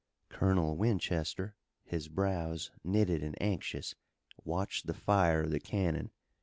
Colonel Winchester, his brows knitted and anxious, watched the fire of the cannon.